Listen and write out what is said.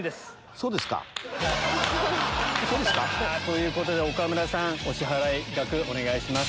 そうですか。ということで岡村さんお支払い額お願いします。